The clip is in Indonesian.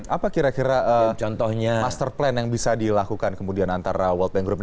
apa kira kira contohnya master plan yang bisa dilakukan kemudian antara world bank group